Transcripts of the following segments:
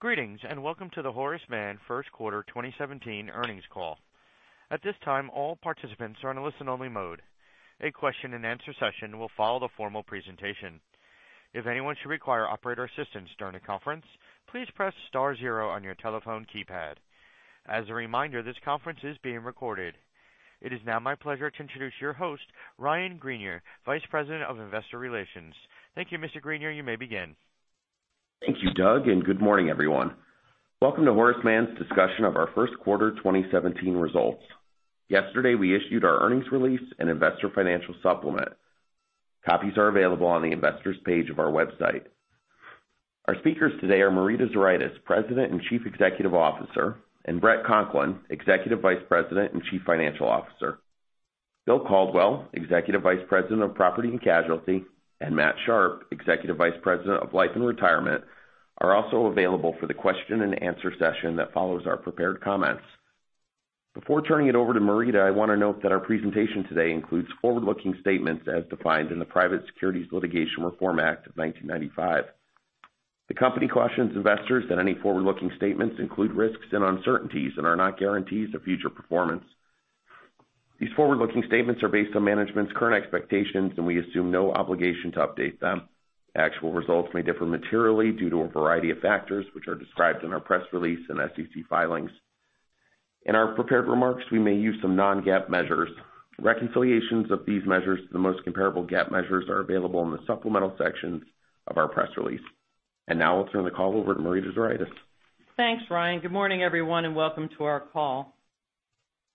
Greetings, welcome to the Horace Mann first quarter 2017 earnings call. At this time, all participants are in a listen-only mode. A question and answer session will follow the formal presentation. If anyone should require operator assistance during the conference, please press star zero on your telephone keypad. As a reminder, this conference is being recorded. It is now my pleasure to introduce your host, Ryan Greenier, Vice President of Investor Relations. Thank you, Mr. Greenier. You may begin. Thank you, Doug, good morning, everyone. Welcome to Horace Mann's discussion of our first quarter 2017 results. Yesterday, we issued our earnings release and investor financial supplement. Copies are available on the investors page of our website. Our speakers today are Marita Zuraitis, President and Chief Executive Officer, Bret Conklin, Executive Vice President and Chief Financial Officer. Bill Caldwell, Executive Vice President of Property and Casualty, Matt Sharpe, Executive Vice President of Life and Retirement, are also available for the question and answer session that follows our prepared comments. Before turning it over to Marita, I want to note that our presentation today includes forward-looking statements as defined in the Private Securities Litigation Reform Act of 1995. The company cautions investors that any forward-looking statements include risks and uncertainties and are not guarantees of future performance. These forward-looking statements are based on management's current expectations, we assume no obligation to update them. Actual results may differ materially due to a variety of factors, which are described in our press release and SEC filings. In our prepared remarks, we may use some non-GAAP measures. Reconciliations of these measures to the most comparable GAAP measures are available in the supplemental sections of our press release. Now I'll turn the call over to Marita Zuraitis. Thanks, Ryan. Good morning, everyone, welcome to our call.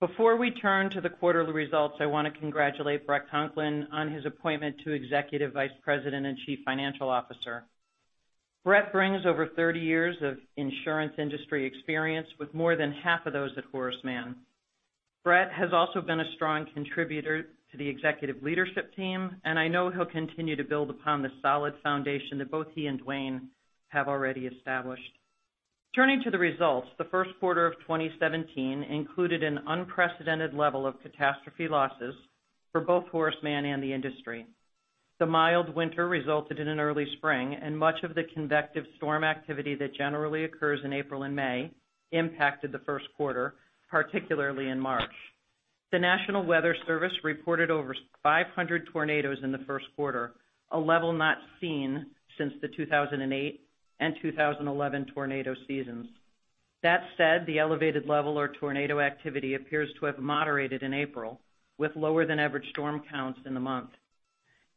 Before we turn to the quarterly results, I want to congratulate Bret Conklin on his appointment to Executive Vice President and Chief Financial Officer. Bret brings over 30 years of insurance industry experience with more than half of those at Horace Mann. Bret has also been a strong contributor to the executive leadership team, I know he'll continue to build upon the solid foundation that both he and Dwayne have already established. Turning to the results, the first quarter of 2017 included an unprecedented level of catastrophe losses for both Horace Mann and the industry. The mild winter resulted in an early spring, much of the convective storm activity that generally occurs in April and May impacted the first quarter, particularly in March. The National Weather Service reported over 500 tornadoes in the first quarter, a level not seen since the 2008 and 2011 tornado seasons. That said, the elevated level or tornado activity appears to have moderated in April, with lower than average storm counts in the month.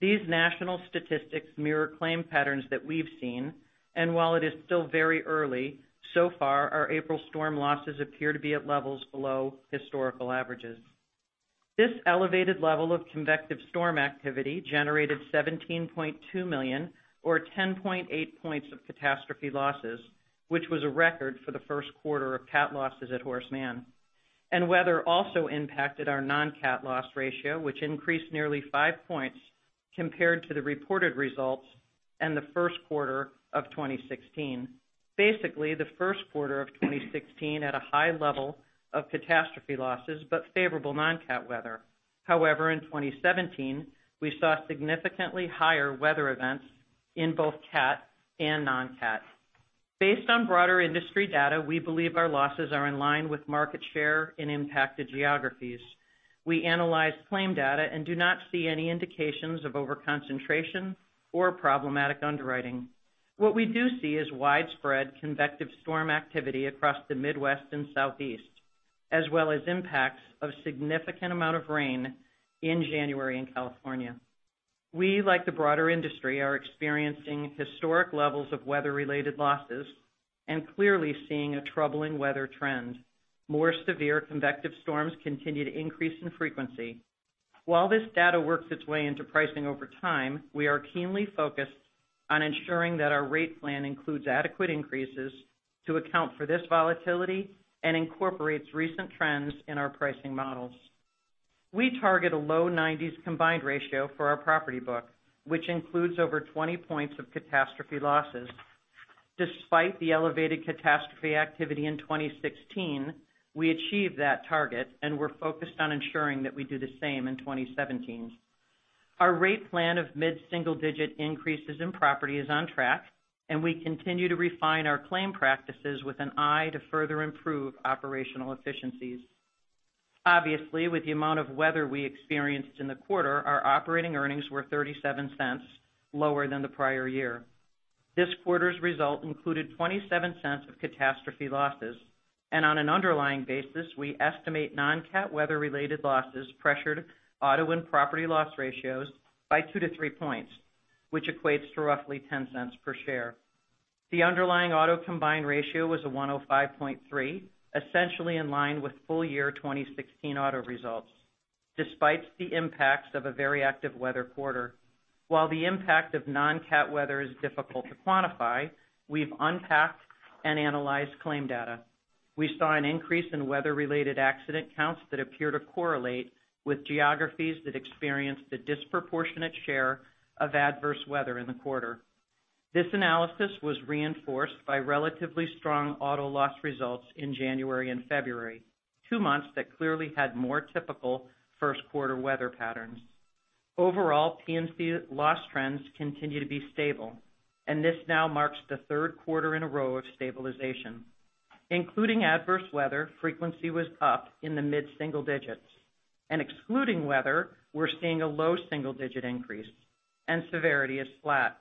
These national statistics mirror claim patterns that we've seen, and while it is still very early, so far, our April storm losses appear to be at levels below historical averages. This elevated level of convective storm activity generated $17.2 million or 10.8 points of catastrophe losses, which was a record for the first quarter of cat losses at Horace Mann. Weather also impacted our non-cat loss ratio, which increased nearly five points compared to the reported results in the first quarter of 2016. Basically, the first quarter of 2016 at a high level of catastrophe losses but favorable non-cat weather. However, in 2017, we saw significantly higher weather events in both cat and non-cat. Based on broader industry data, we believe our losses are in line with market share in impacted geographies. We analyzed claim data and do not see any indications of over-concentration or problematic underwriting. What we do see is widespread convective storm activity across the Midwest and Southeast, as well as impacts of significant amount of rain in January in California. We, like the broader industry, are experiencing historic levels of weather-related losses and clearly seeing a troubling weather trend. More severe convective storms continue to increase in frequency. While this data works its way into pricing over time, we are keenly focused on ensuring that our rate plan includes adequate increases to account for this volatility and incorporates recent trends in our pricing models. We target a low nineties combined ratio for our property book, which includes over 20 points of catastrophe losses. Despite the elevated catastrophe activity in 2016, we achieved that target and we're focused on ensuring that we do the same in 2017. Our rate plan of mid-single-digit increases in property is on track, and we continue to refine our claim practices with an eye to further improve operational efficiencies. Obviously, with the amount of weather we experienced in the quarter, our operating earnings were $0.37 lower than the prior year. This quarter's result included $0.27 of catastrophe losses. On an underlying basis, we estimate non-cat weather-related losses pressured auto and property loss ratios by two to three points, which equates to roughly $0.10 per share. The underlying auto combined ratio was a 105.3, essentially in line with full year 2016 auto results, despite the impacts of a very active weather quarter. While the impact of non-cat weather is difficult to quantify, we've unpacked and analyzed claim data. We saw an increase in weather-related accident counts that appear to correlate with geographies that experienced a disproportionate share of adverse weather in the quarter. This analysis was reinforced by relatively strong auto loss results in January and February, two months that clearly had more typical first quarter weather patterns. Overall, P&C loss trends continue to be stable, and this now marks the third quarter in a row of stabilization. Including adverse weather, frequency was up in the mid-single digits. Excluding weather, we're seeing a low single-digit increase, and severity is flat.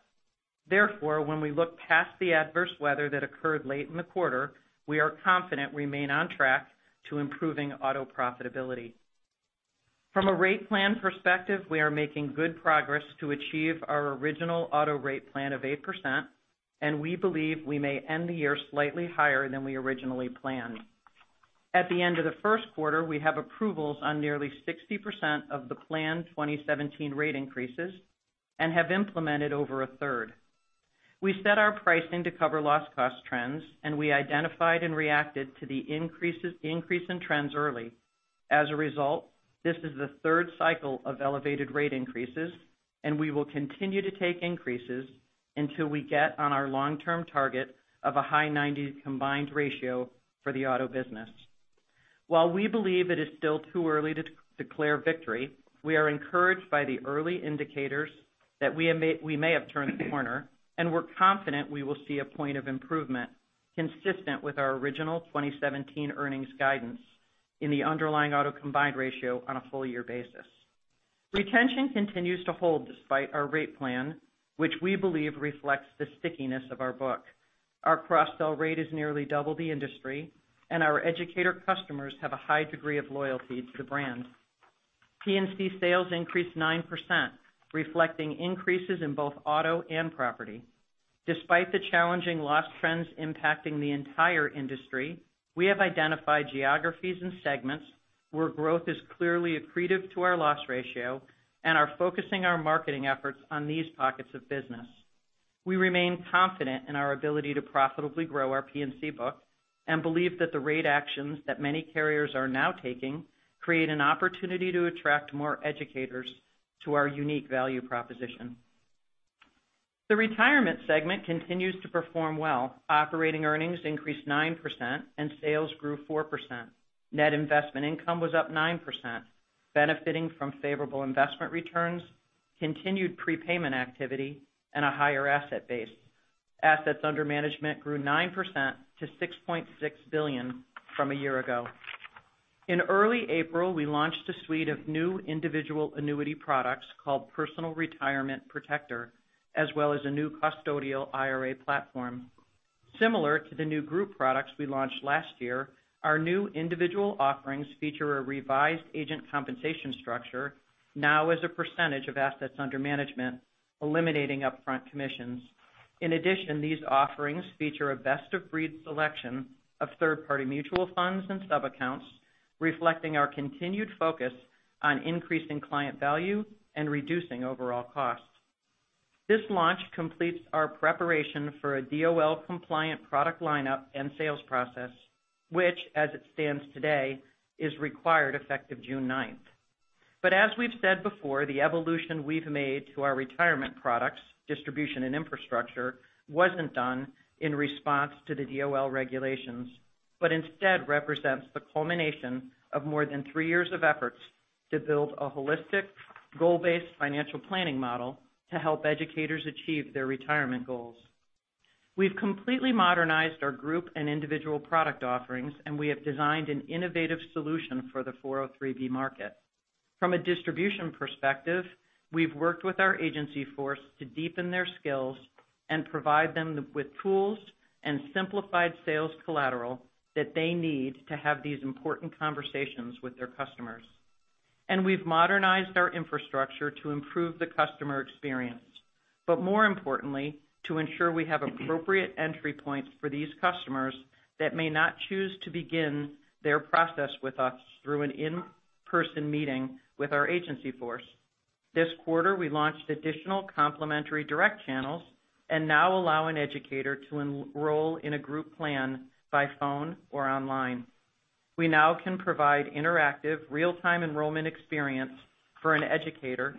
When we look past the adverse weather that occurred late in the quarter, we are confident we remain on track to improving auto profitability. From a rate plan perspective, we are making good progress to achieve our original auto rate plan of 8%, and we believe we may end the year slightly higher than we originally planned. At the end of the first quarter, we have approvals on nearly 60% of the planned 2017 rate increases and have implemented over a third. We set our pricing to cover loss cost trends, and we identified and reacted to the increase in trends early. As a result, this is the third cycle of elevated rate increases, and we will continue to take increases until we get on our long-term target of a high 90s combined ratio for the auto business. While we believe it is still too early to declare victory, we are encouraged by the early indicators that we may have turned the corner, and we're confident we will see a point of improvement consistent with our original 2017 earnings guidance in the underlying auto combined ratio on a full year basis. Retention continues to hold despite our rate plan, which we believe reflects the stickiness of our book. Our cross-sell rate is nearly double the industry, and our educator customers have a high degree of loyalty to the brand. P&C sales increased 9%, reflecting increases in both auto and property. Despite the challenging loss trends impacting the entire industry, we have identified geographies and segments where growth is clearly accretive to our loss ratio and are focusing our marketing efforts on these pockets of business. We remain confident in our ability to profitably grow our P&C book and believe that the rate actions that many carriers are now taking create an opportunity to attract more educators to our unique value proposition. The retirement segment continues to perform well. Operating earnings increased 9% and sales grew 4%. Net investment income was up 9%, benefiting from favorable investment returns, continued prepayment activity, and a higher asset base. Assets under management grew 9% to $6.6 billion from a year ago. In early April, we launched a suite of new individual annuity products called Personal Retirement Protector, as well as a new custodial IRA platform. Similar to the new group products we launched last year, our new individual offerings feature a revised agent compensation structure, now as a percentage of assets under management, eliminating upfront commissions. These offerings feature a best-of-breed selection of third-party mutual funds and sub-accounts, reflecting our continued focus on increasing client value and reducing overall costs. This launch completes our preparation for a DOL-compliant product lineup and sales process, which, as it stands today, is required effective June 9th. As we've said before, the evolution we've made to our retirement products, distribution, and infrastructure wasn't done in response to the DOL regulations, but instead represents the culmination of more than three years of efforts to build a holistic, goal-based financial planning model to help educators achieve their retirement goals. We've completely modernized our group and individual product offerings, and we have designed an innovative solution for the 403 market. From a distribution perspective, we've worked with our agency force to deepen their skills and provide them with tools and simplified sales collateral that they need to have these important conversations with their customers. We've modernized our infrastructure to improve the customer experience. More importantly, to ensure we have appropriate entry points for these customers that may not choose to begin their process with us through an in-person meeting with our agency force. This quarter, we launched additional complementary direct channels and now allow an educator to enroll in a group plan by phone or online. We now can provide interactive, real-time enrollment experience for an educator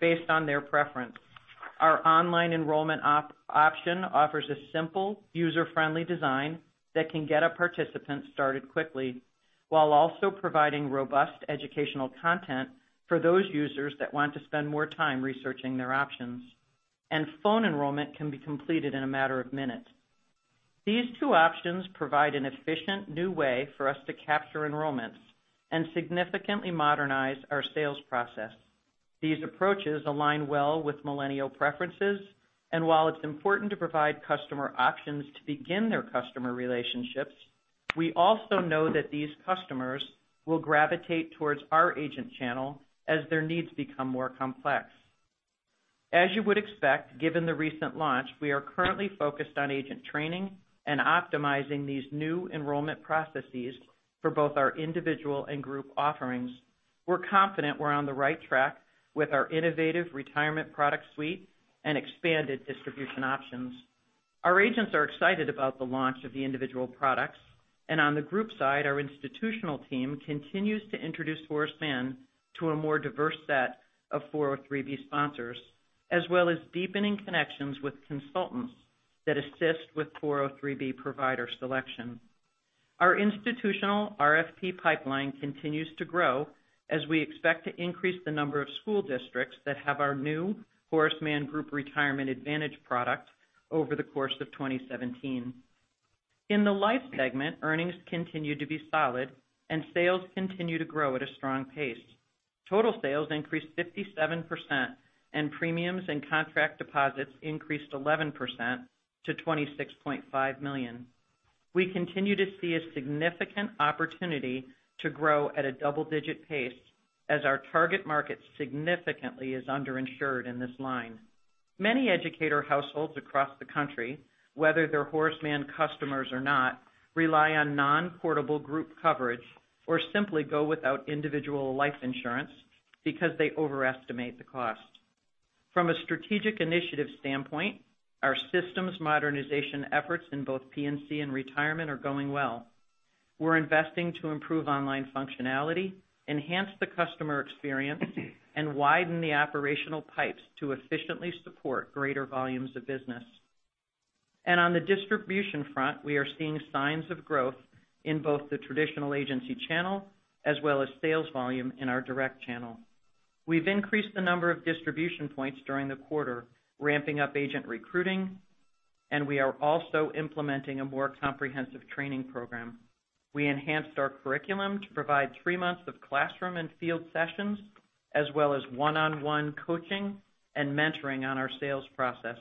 based on their preference. Our online enrollment option offers a simple, user-friendly design that can get a participant started quickly while also providing robust educational content for those users that want to spend more time researching their options. Phone enrollment can be completed in a matter of minutes. These two options provide an efficient new way for us to capture enrollments and significantly modernize our sales process. These approaches align well with millennial preferences, and while it's important to provide customer options to begin their customer relationships, we also know that these customers will gravitate towards our agent channel as their needs become more complex. As you would expect, given the recent launch, we are currently focused on agent training and optimizing these new enrollment processes for both our individual and group offerings. We're confident we're on the right track with our innovative retirement product suite and expanded distribution options. Our agents are excited about the launch of the individual products. On the group side, our institutional team continues to introduce Horace Mann to a more diverse set of 403 sponsors, as well as deepening connections with consultants that assist with 403 provider selection. Our institutional RFP pipeline continues to grow as we expect to increase the number of school districts that have our new Horace Mann Retirement Advantage product over the course of 2017. In the life segment, earnings continue to be solid, and sales continue to grow at a strong pace. Total sales increased 57%, and premiums and contract deposits increased 11% to $26.5 million. We continue to see a significant opportunity to grow at a double-digit pace as our target market significantly is under-insured in this line. Many educator households across the country, whether they're Horace Mann customers or not, rely on non-portable group coverage or simply go without individual life insurance because they overestimate the cost. From a strategic initiative standpoint, our systems modernization efforts in both P&C and retirement are going well. We're investing to improve online functionality, enhance the customer experience, and widen the operational pipes to efficiently support greater volumes of business. On the distribution front, we are seeing signs of growth in both the traditional agency channel as well as sales volume in our direct channel. We've increased the number of distribution points during the quarter, ramping up agent recruiting, and we are also implementing a more comprehensive training program. We enhanced our curriculum to provide three months of classroom and field sessions, as well as one-on-one coaching and mentoring on our sales process.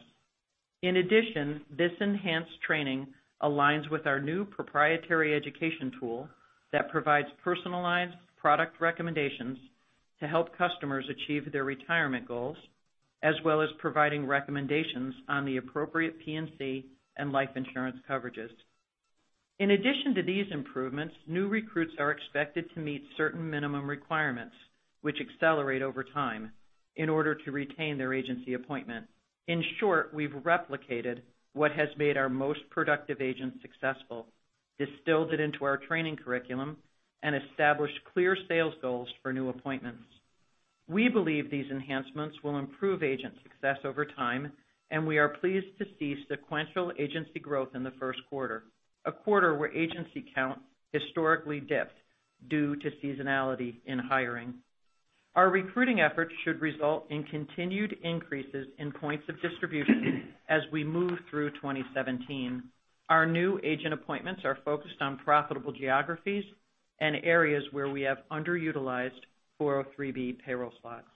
In addition, this enhanced training aligns with our new proprietary education tool that provides personalized product recommendations to help customers achieve their retirement goals, as well as providing recommendations on the appropriate P&C and life insurance coverages. In addition to these improvements, new recruits are expected to meet certain minimum requirements, which accelerate over time in order to retain their agency appointment. In short, we've replicated what has made our most productive agents successful, distilled it into our training curriculum, and established clear sales goals for new appointments. We believe these enhancements will improve agent success over time, and we are pleased to see sequential agency growth in the first quarter, a quarter where agency count historically dips due to seasonality in hiring. Our recruiting efforts should result in continued increases in points of distribution as we move through 2017. Our new agent appointments are focused on profitable geographies and areas where we have underutilized 403 payroll slots.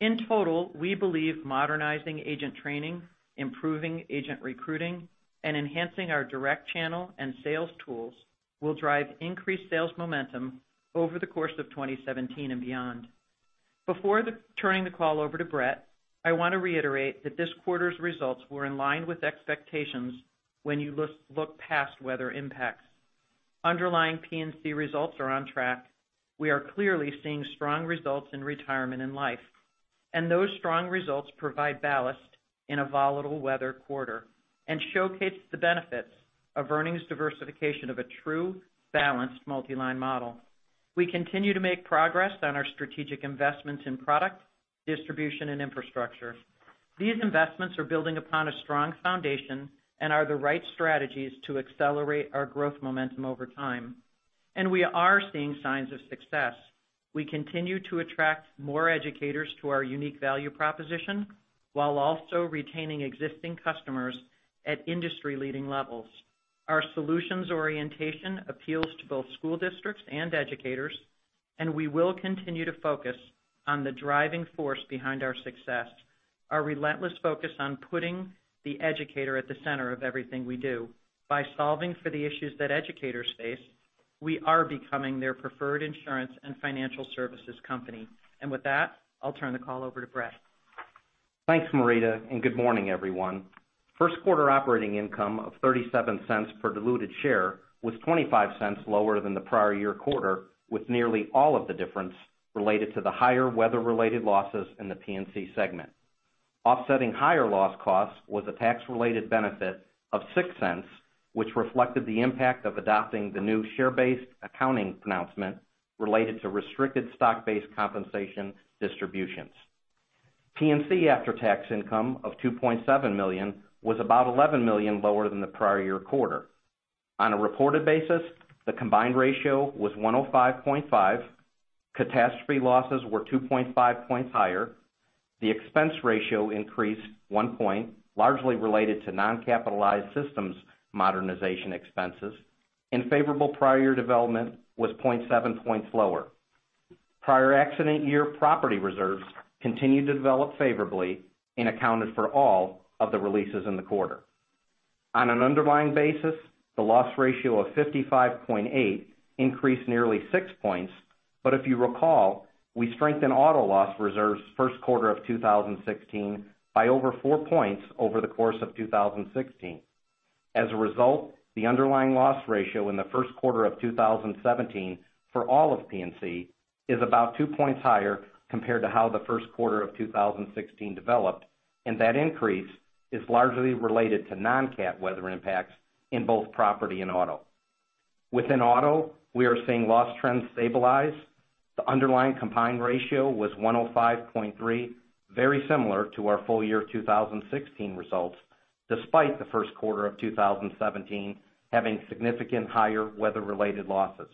In total, we believe modernizing agent training, improving agent recruiting, and enhancing our direct channel and sales tools will drive increased sales momentum over the course of 2017 and beyond. Before turning the call over to Bret, I want to reiterate that this quarter's results were in line with expectations, when you look past weather impacts. Underlying P&C results are on track. We are clearly seeing strong results in retirement and life. Those strong results provide ballast in a volatile weather quarter and showcase the benefits of earnings diversification of a true, balanced multi-line model. We continue to make progress on our strategic investments in product, distribution, and infrastructure. These investments are building upon a strong foundation and are the right strategies to accelerate our growth momentum over time. We are seeing signs of success. We continue to attract more educators to our unique value proposition while also retaining existing customers at industry-leading levels. Our solutions orientation appeals to both school districts and educators. We will continue to focus on the driving force behind our success, our relentless focus on putting the educator at the center of everything we do. By solving for the issues that educators face, we are becoming their preferred insurance and financial services company. With that, I'll turn the call over to Bret. Thanks, Marita. Good morning, everyone. First quarter operating income of $0.37 per diluted share was $0.25 lower than the prior year quarter, with nearly all of the difference related to the higher weather-related losses in the P&C segment. Offsetting higher loss costs was a tax-related benefit of $0.06, which reflected the impact of adopting the new share-based accounting pronouncement related to restricted stock-based compensation distributions. P&C after-tax income of $2.7 million was about $11 million lower than the prior year quarter. On a reported basis, the combined ratio was 105.5. Catastrophe losses were 2.5 points higher. The expense ratio increased one point, largely related to non-capitalized systems modernization expenses, and favorable prior year development was 0.7 points lower. Prior accident year property reserves continued to develop favorably and accounted for all of the releases in the quarter. On an underlying basis, the loss ratio of 55.8 increased nearly six points. If you recall, we strengthened auto loss reserves first quarter of 2016 by over four points over the course of 2016. As a result, the underlying loss ratio in the first quarter of 2017 for all of P&C is about two points higher compared to how the first quarter of 2016 developed, and that increase is largely related to non-cat weather impacts in both property and auto. Within auto, we are seeing loss trends stabilize. The underlying combined ratio was 105.3, very similar to our full year 2016 results, despite the first quarter of 2017 having significant higher weather-related losses.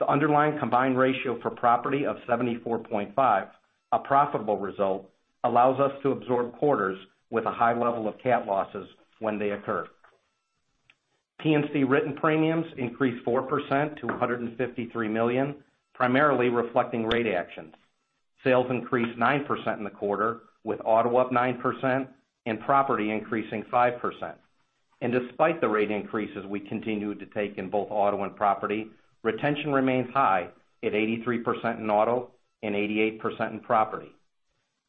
The underlying combined ratio for property of 74.5, a profitable result, allows us to absorb quarters with a high level of cat losses when they occur. P&C written premiums increased 4% to $153 million, primarily reflecting rate actions. Sales increased 9% in the quarter, with auto up 9% and property increasing 5%. Despite the rate increases we continued to take in both auto and property, retention remains high at 83% in auto and 88% in property.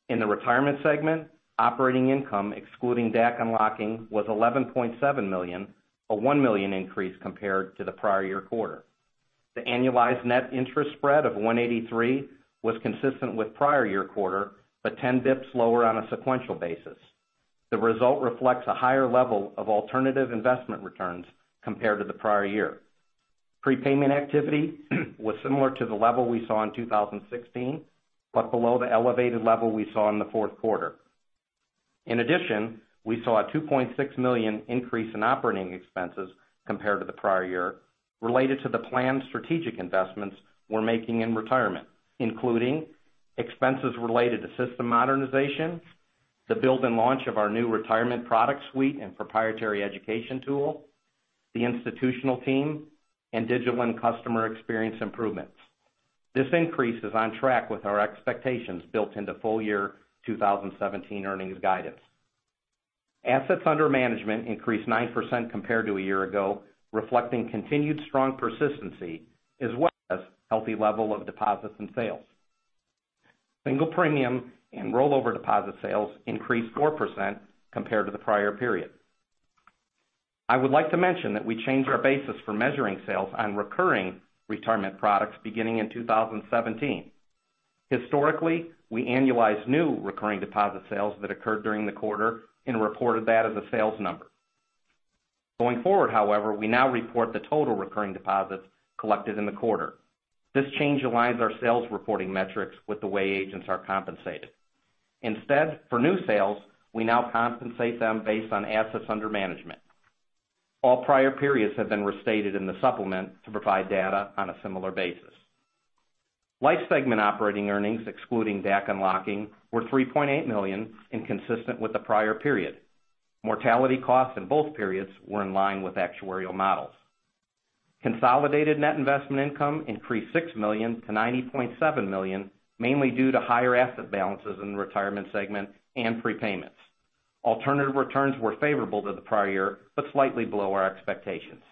In the retirement segment, operating income, excluding DAC unlocking, was $11.7 million, a $1 million increase compared to the prior year quarter. The annualized net interest spread of 183 basis points was consistent with prior year quarter, but 10 basis points lower on a sequential basis. The result reflects a higher level of alternative investment returns compared to the prior year. Prepayment activity was similar to the level we saw in 2016, but below the elevated level we saw in the fourth quarter. In addition, we saw a $2.6 million increase in operating expenses compared to the prior year related to the planned strategic investments we're making in retirement, including expenses related to system modernization, the build and launch of our new retirement product suite and proprietary education tool, the institutional team, and digital customer experience improvements. This increase is on track with our expectations built into full year 2017 earnings guidance. Assets under management increased 9% compared to a year ago, reflecting continued strong persistency, as well as healthy level of deposits and sales. Single premium and rollover deposit sales increased 4% compared to the prior period. I would like to mention that we changed our basis for measuring sales on recurring retirement products beginning in 2017. Historically, we annualized new recurring deposit sales that occurred during the quarter and reported that as a sales number. Going forward, however, we now report the total recurring deposits collected in the quarter. This change aligns our sales reporting metrics with the way agents are compensated. Instead, for new sales, we now compensate them based on assets under management. All prior periods have been restated in the supplement to provide data on a similar basis. Life segment operating earnings, excluding DAC unlocking, were $3.8 million, inconsistent with the prior period. Mortality costs in both periods were in line with actuarial models. Consolidated net investment income increased $6 million to $90.7 million, mainly due to higher asset balances in the retirement segment and prepayments. Alternative returns were favorable to the prior year, but slightly below our expectations.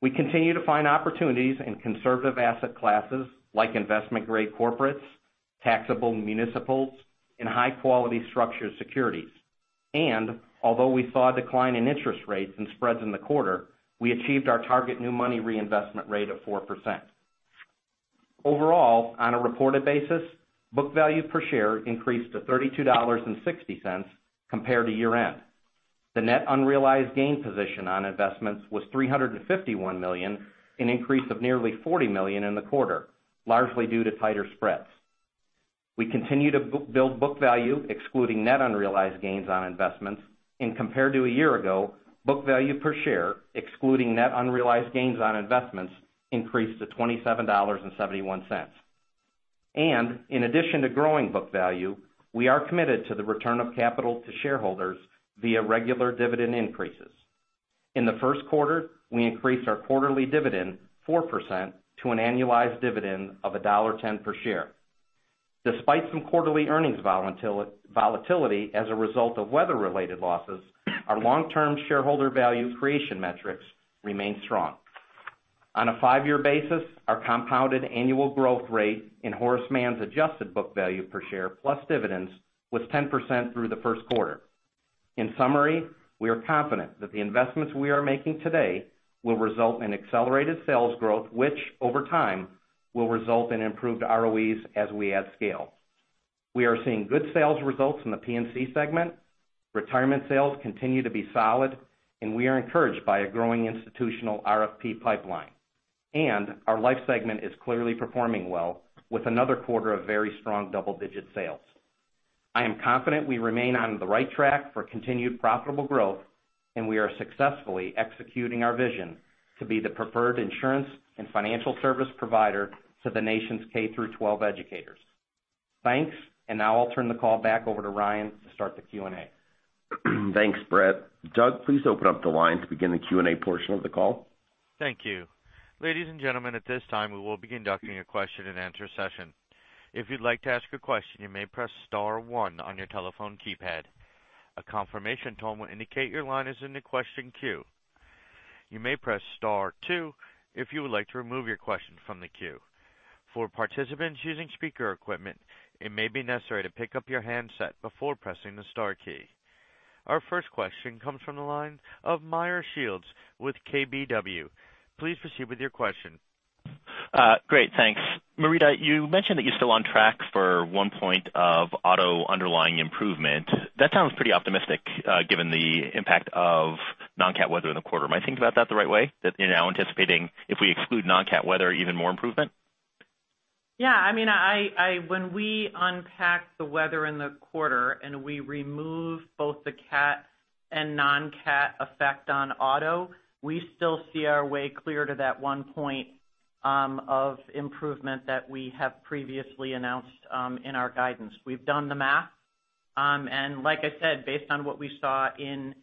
We continue to find opportunities in conservative asset classes like investment-grade corporates, taxable municipals, and high-quality structured securities. Although we saw a decline in interest rates and spreads in the quarter, we achieved our target new money reinvestment rate of 4%. Overall, on a reported basis, book value per share increased to $32.60 compared to year-end. The net unrealized gain position on investments was $351 million, an increase of nearly $40 million in the quarter, largely due to tighter spreads. We continue to build book value excluding net unrealized gains on investments. Compared to a year ago, book value per share, excluding net unrealized gains on investments, increased to $27.71. In addition to growing book value, we are committed to the return of capital to shareholders via regular dividend increases. In the first quarter, we increased our quarterly dividend 4% to an annualized dividend of $1.10 per share. Despite some quarterly earnings volatility as a result of weather-related losses, our long-term shareholder value creation metrics remain strong. On a five-year basis, our compounded annual growth rate in Horace Mann's adjusted book value per share, plus dividends, was 10% through the first quarter. In summary, we are confident that the investments we are making today will result in accelerated sales growth, which over time will result in improved ROEs as we add scale. We are seeing good sales results in the P&C segment. Retirement sales continue to be solid, and we are encouraged by a growing institutional RFP pipeline. Our life segment is clearly performing well with another quarter of very strong double-digit sales. I am confident we remain on the right track for continued profitable growth, and we are successfully executing our vision to be the preferred insurance and financial service provider to the nation's K through 12 educators. Thanks. Now I'll turn the call back over to Ryan to start the Q&A. Thanks, Bret. Doug, please open up the line to begin the Q&A portion of the call. Thank you. Ladies and gentlemen, at this time, we will be conducting a question and answer session. If you'd like to ask a question, you may press star one on your telephone keypad. A confirmation tone will indicate your line is in the question queue. You may press star two if you would like to remove your question from the queue. For participants using speaker equipment, it may be necessary to pick up your handset before pressing the star key. Our first question comes from the line of Meyer Shields with KBW. Please proceed with your question. Great. Thanks. Marita, you mentioned that you're still on track for one point of auto underlying improvement. That sounds pretty optimistic given the impact of Non-cat weather in the quarter. Am I thinking about that the right way? That you're now anticipating, if we exclude non-cat weather, even more improvement? Yeah. When we unpack the weather in the quarter, and we remove both the cat and non-cat effect on auto, we still see our way clear to that one point of improvement that we have previously announced in our guidance. We've done the math, and like I said, based on what we saw in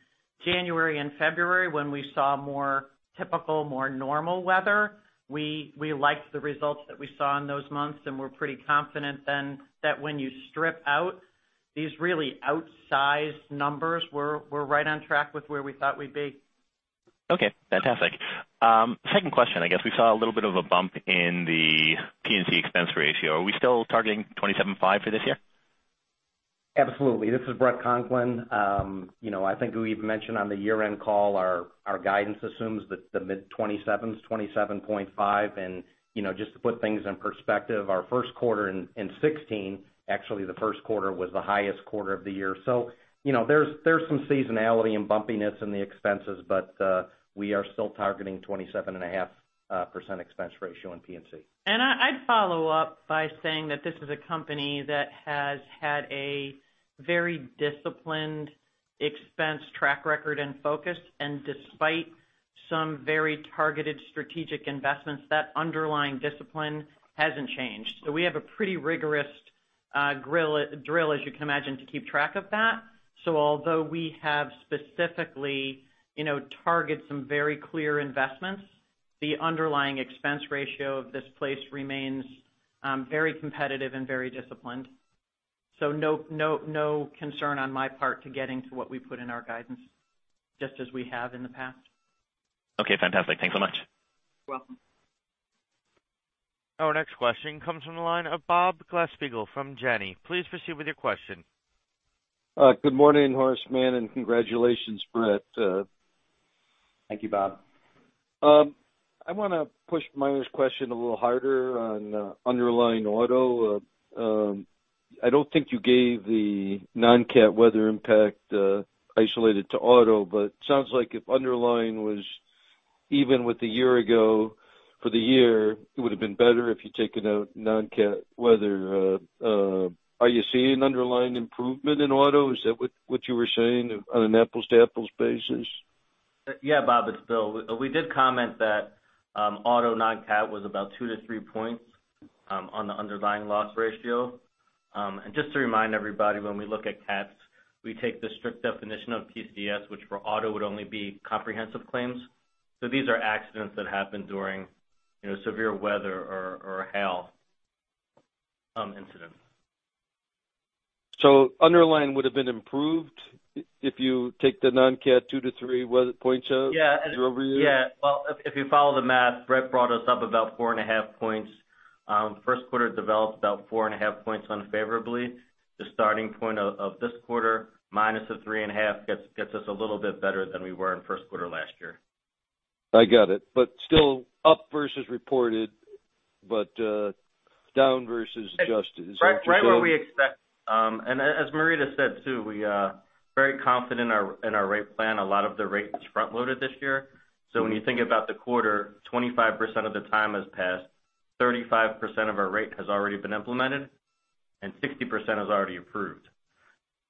January and February, when we saw more typical, more normal weather, we liked the results that we saw in those months, and we're pretty confident then that when you strip out these really outsized numbers, we're right on track with where we thought we'd be. Okay, fantastic. Second question, I guess we saw a little bit of a bump in the P&C expense ratio. Are we still targeting 27.5% for this year? Absolutely. This is Bret Conklin. I think we've mentioned on the year-end call our guidance assumes that the mid-27%, 27.5%. Just to put things in perspective, our first quarter in 2016, actually the first quarter was the highest quarter of the year. There's some seasonality and bumpiness in the expenses, but we are still targeting 27.5% expense ratio in P&C. I'd follow up by saying that this is a company that has had a very disciplined expense track record and focus. Despite some very targeted strategic investments, that underlying discipline hasn't changed. We have a pretty rigorous drill, as you can imagine, to keep track of that. Although we have specifically targeted some very clear investments, the underlying expense ratio of this place remains very competitive and very disciplined. No concern on my part to getting to what we put in our guidance, just as we have in the past. Okay, fantastic. Thanks so much. You're welcome. Our next question comes from the line of Bob Glasspiegel from Janney. Please proceed with your question. Good morning, Horace Mann, and congratulations, Bret. Thank you, Bob. I want to push Meyer's question a little harder on underlying auto. I don’t think you gave the non-cat weather impact isolated to auto, but it sounds like if underlying was even with a year ago for the year, it would’ve been better if you’d taken out non-cat weather. Are you seeing underlying improvement in auto? Is that what you were saying on an apples-to-apples basis? Yeah, Bob, it’s Bill. We did comment that auto non-cat was about two to three points on the underlying loss ratio. Just to remind everybody, when we look at cats, we take the strict definition of PCS, which for auto would only be comprehensive claims. These are accidents that happen during severe weather or hail incidents. Underlying would’ve been improved if you take the non-cat two to three weather points out year-over-year? Yeah. Well, if you follow the math, Bret brought us up about four and a half points. First quarter developed about four and a half points unfavorably. The starting point of this quarter, minus the three and a half gets us a little bit better than we were in first quarter last year. I get it, but still up versus reported, but down versus adjusted. Is that fair? Right where we expect. As Marita said too, we are very confident in our rate plan. A lot of the rate is front-loaded this year. When you think about the quarter, 25% of the time has passed, 35% of our rate has already been implemented, and 60% is already approved.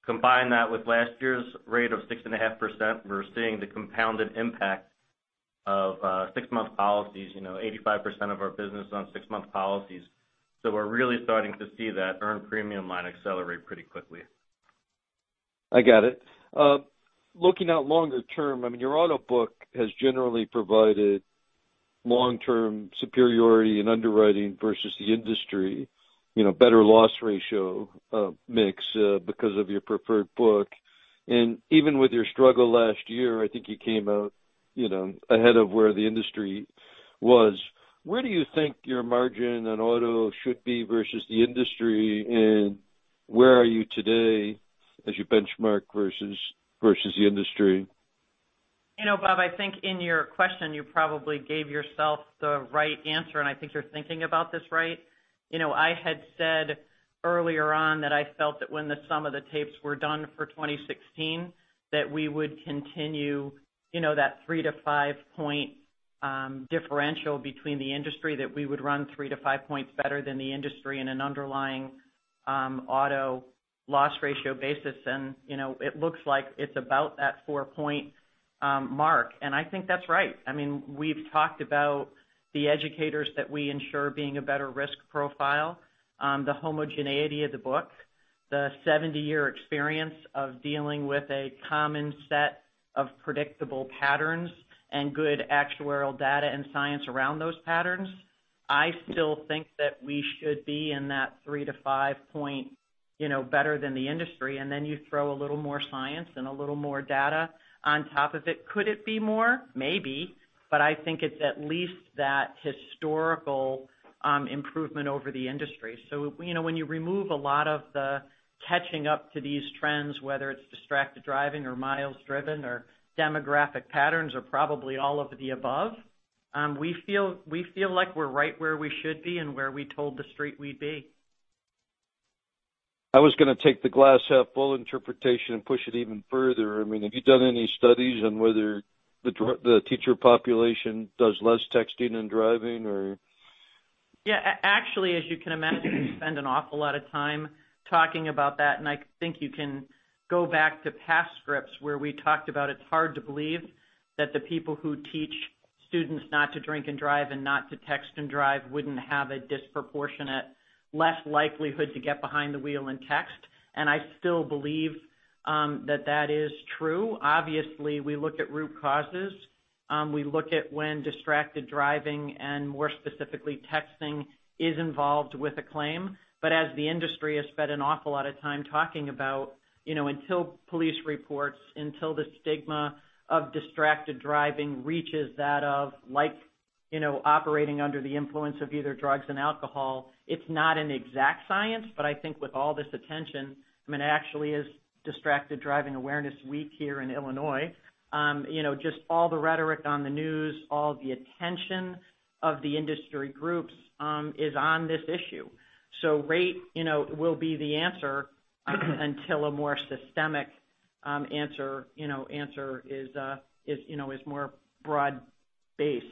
Combine that with last year's rate of 6.5%, we're seeing the compounded impact of six-month policies, 85% of our business is on six-month policies. We're really starting to see that earned premium line accelerate pretty quickly. I get it. Looking out longer term, your auto book has generally provided long-term superiority in underwriting versus the industry, better loss ratio mix because of your preferred book. Even with your struggle last year, I think you came out ahead of where the industry was. Where do you think your margin on auto should be versus the industry, and where are you today as you benchmark versus the industry? Bob, I think in your question you probably gave yourself the right answer, and I think you're thinking about this right. I had said earlier on that I felt that when the sum of the tapes were done for 2016, that we would continue that three to five-point differential between the industry, that we would run three to five points better than the industry in an underlying auto loss ratio basis. It looks like it's about that four-point mark. I think that's right. We've talked about the educators that we insure being a better risk profile, the homogeneity of the book, the 70-year experience of dealing with a common set of predictable patterns, and good actuarial data and science around those patterns. I still think that we should be in that three to five point better than the industry, and then you throw a little more science and a little more data on top of it. Could it be more? Maybe, but I think it's at least that historical improvement over the industry. When you remove a lot of the catching up to these trends, whether it's distracted driving or miles driven or demographic patterns or probably all of the above, we feel like we're right where we should be and where we told the Street we'd be. I was going to take the glass half full interpretation and push it even further. Have you done any studies on whether the teacher population does less texting and driving or? Yeah. Actually, as you can imagine, we spend an awful lot of time talking about that, I think you can go back to past scripts where we talked about it's hard to believe that the people who teach students not to drink and drive and not to text and drive wouldn't have a disproportionate less likelihood to get behind the wheel and text. I still believe that is true. Obviously, we look at root causes. We look at when distracted driving, and more specifically, texting is involved with a claim. As the industry has spent an awful lot of time talking about, until police reports, until the stigma of distracted driving reaches that of operating under the influence of either drugs and alcohol. It's not an exact science, but I think with all this attention, it actually is Distracted Driving Awareness Week here in Illinois. Just all the rhetoric on the news, all the attention of the industry groups is on this issue. Rate will be the answer until a more systemic answer is more broad-based.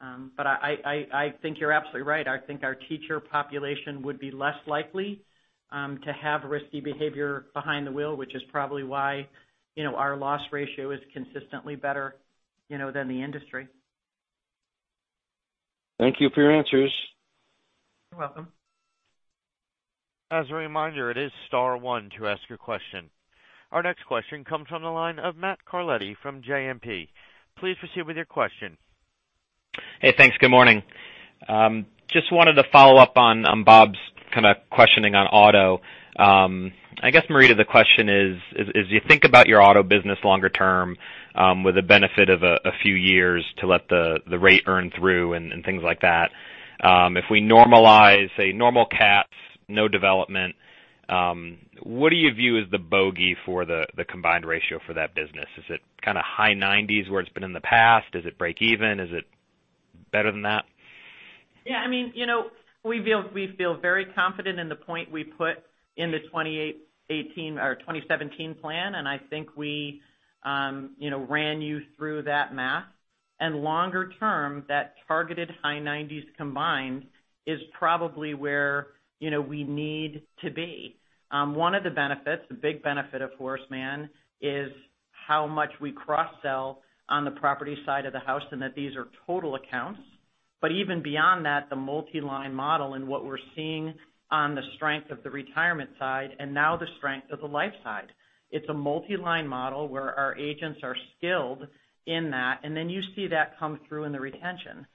I think you're absolutely right. I think our teacher population would be less likely to have risky behavior behind the wheel, which is probably why our loss ratio is consistently better than the industry. Thank you for your answers. You're welcome. As a reminder, it is star one to ask your question. Our next question comes from the line of Matt Carletti from JMP. Please proceed with your question. Hey, thanks. Good morning. Just wanted to follow up on Bob's questioning on auto. I guess, Marita, the question is, as you think about your auto business longer term with the benefit of a few years to let the rate earn through and things like that. If we normalize, say, normal cats, no development, what do you view as the bogey for the combined ratio for that business? Is it high 90s, where it's been in the past? Does it break even? Is it better than that? We feel very confident in the point we put in the 2018 or 2017 plan, I think we ran you through that math. Longer term, that targeted high 90s combined is probably where we need to be. One of the benefits, the big benefit of Horace Mann, is how much we cross-sell on the property side of the house and that these are total accounts. Even beyond that, the multi-line model and what we're seeing on the strength of the retirement side and now the strength of the life side. It's a multi-line model where our agents are skilled in that, then you see that come through in the retention.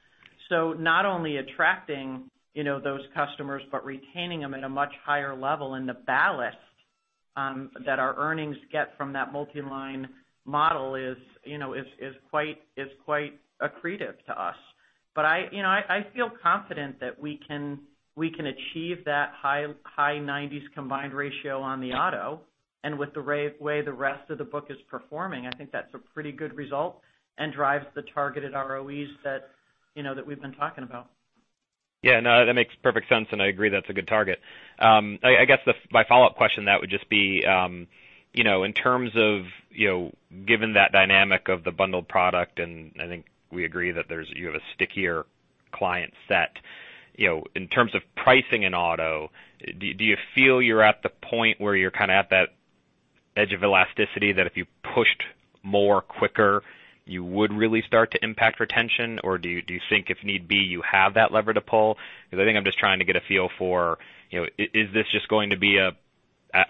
Not only attracting those customers but retaining them at a much higher level in the ballast that our earnings get from that multi-line model is quite accretive to us. I feel confident that we can achieve that high 90s combined ratio on the auto. With the way the rest of the book is performing, I think that's a pretty good result and drives the targeted ROEs that we've been talking about. That makes perfect sense, I agree that's a good target. I guess my follow-up question to that would just be, in terms of given that dynamic of the bundled product, I think we agree that you have a stickier client set. In terms of pricing in auto, do you feel you're at the point where you're at that edge of elasticity, that if you pushed more quicker, you would really start to impact retention? Do you think if need be, you have that lever to pull? Because I think I'm just trying to get a feel for, is this just going to be a,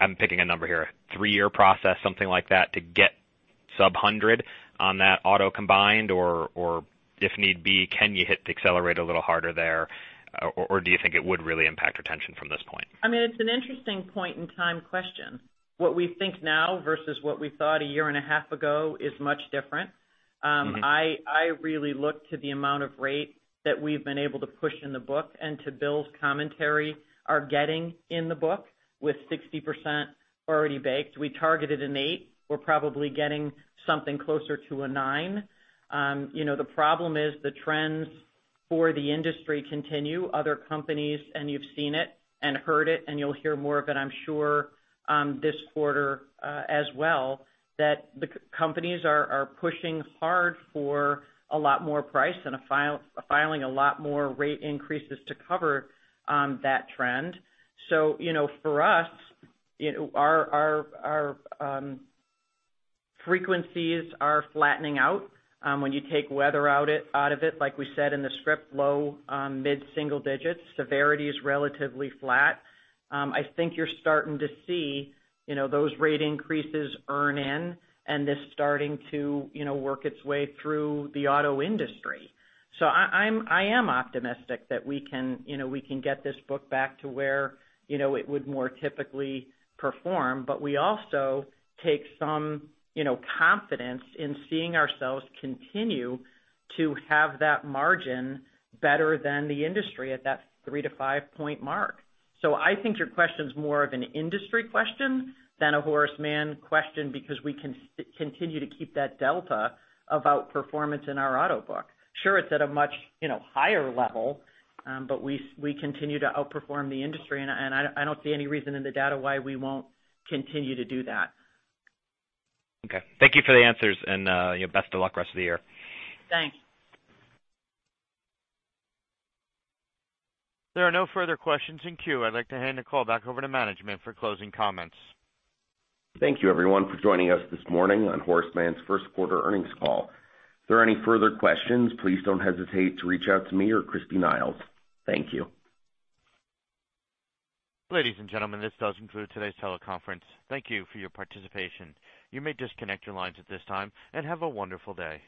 I'm picking a number here, three-year process, something like that, to get sub 100 on that auto combined? If need be, can you hit the accelerator a little harder there? Do you think it would really impact retention from this point? It's an interesting point-in-time question. What we think now versus what we thought a year and a half ago is much different. I really look to the amount of rate that we've been able to push in the book, and to Bill's commentary, are getting in the book with 60% already baked. We targeted an eight. We're probably getting something closer to a nine. The problem is the trends for the industry continue. Other companies, and you've seen it and heard it, and you'll hear more of it, I'm sure, this quarter as well, that the companies are pushing hard for a lot more price and are filing a lot more rate increases to cover that trend. For us, our frequencies are flattening out. When you take weather out of it, like we said in the script, low, mid-single digits. Severity is relatively flat. I think you're starting to see those rate increases earn in, and this starting to work its way through the auto industry. I am optimistic that we can get this book back to where it would more typically perform, but we also take some confidence in seeing ourselves continue to have that margin better than the industry at that three- to five-point mark. I think your question's more of an industry question than a Horace Mann question because we can continue to keep that delta of outperformance in our auto book. Sure, it's at a much higher level, but we continue to outperform the industry, and I don't see any reason in the data why we won't continue to do that. Okay. Thank you for the answers, and best of luck rest of the year. Thanks. There are no further questions in queue. I'd like to hand the call back over to management for closing comments. Thank you, everyone, for joining us this morning on Horace Mann's first quarter earnings call. If there are any further questions, please don't hesitate to reach out to me or Christy Niles. Thank you. Ladies and gentlemen, this does conclude today's teleconference. Thank you for your participation. You may disconnect your lines at this time, and have a wonderful day.